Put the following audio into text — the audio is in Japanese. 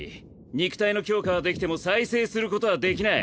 肉体の強化はできても再生することはできない。